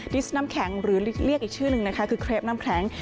ดิสน้ำแข็งหรือเรียกอีกชื่อหนึ่งนะคะคือเครปน้ำแข็ง